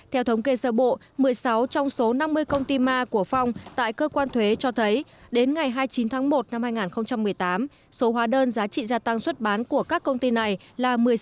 theo thống kê sơ bộ một mươi sáu trong số năm mươi công ty ma của phong tại cơ quan thuế cho thấy đến ngày hai mươi chín tháng một năm hai nghìn một mươi tám số hóa đơn giá trị gia tăng xuất bán của các công ty này là một mươi sáu hai trăm bảy mươi ba hóa đơn